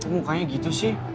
mukanya gitu sih